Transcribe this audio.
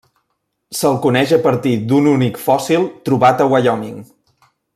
Se'l coneix a partir d'un únic fòssil trobat a Wyoming.